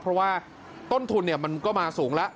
เพราะว่าต้นทุนมันก็มาสูงแล้ว